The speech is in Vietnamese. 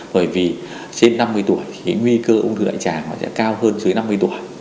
bởi vì trên năm mươi tuổi thì nguy cơ ung thư đại tràng nó sẽ cao hơn dưới năm mươi tuổi